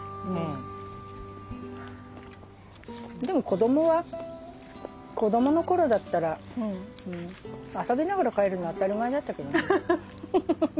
でも子どもは子どもの頃だったら遊びながら帰るの当たり前だったけどね。